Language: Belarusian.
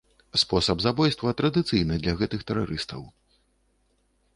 Спосаб забойства традыцыйны для гэтых тэрарыстаў.